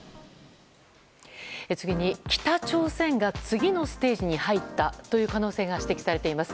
次に、北朝鮮が次のステージに入ったという可能性が指摘されています。